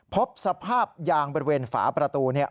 พบสภาพยางบริเวณฝาประตู